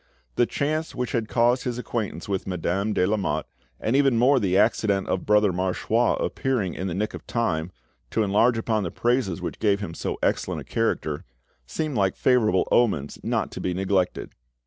The chance which had caused his acquaintance with Madame de Lamotte, and even more the accident of Brother Marchois appearing in the nick of time, to enlarge upon the praises which gave him so excellent a character, seemed like favourable omens not to be neglected.